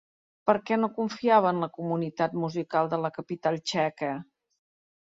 Per què no confiava en la comunitat musical de la capital txeca?